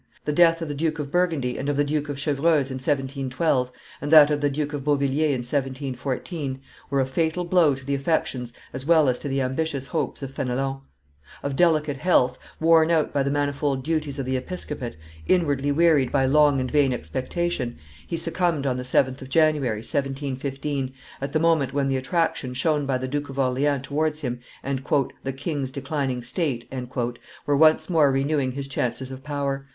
The death of the Duke of Burgundy and of the Duke of Chevreuse in 1712, and that of the Duke of Beauvilliers in 1714, were a fatal blow to the affections as well as to the ambitious hopes of Fenelon. Of delicate health, worn out by the manifold duties of the episcopate, inwardly wearied by long and vain expectation, he succumbed on the 7th of January, 1715, at the moment when the attraction shown by the Duke of Orleans towards him and "the king's declining state" were once more renewing his chances of power.